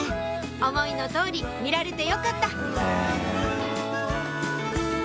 思いの通り見られてよかった